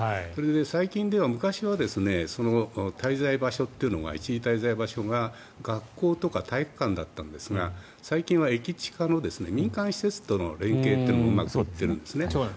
最近では昔は滞在場所っていうのが一時滞在場所が学校とか体育館だったんですが最近は駅近の民間施設との連携もうまくいっているんですね。